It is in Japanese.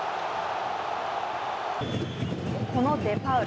このデパウル。